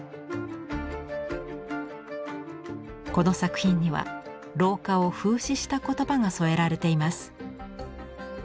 この作品には老化を風刺した言葉が添えられています。